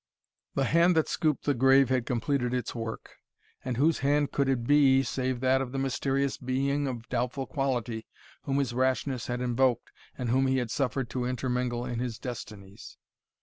The hand that scooped the grave had completed its word; and whose hand could it be save that of the mysterious being of doubtful quality, whom his rashness had invoked, and whom he had suffered to intermingle in his destinies?